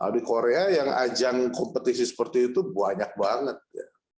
di korea yang ajang kompetisi seperti itu banyak sekali